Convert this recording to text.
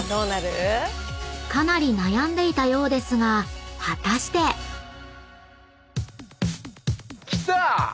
［かなり悩んでいたようですが果たして？］来た！